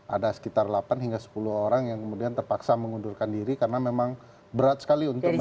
ada sekitar delapan hingga sepuluh orang yang kemudian terpaksa mengundurkan diri karena memang berat sekali untuk mencari